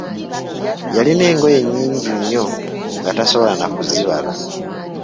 Yalina engoye nnyingi nnyo nga tosobola na kuzibala.